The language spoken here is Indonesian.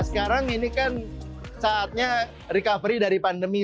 sekarang ini kan saatnya recovery dari pandemi